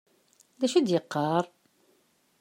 D acu i d-yeqqaṛ?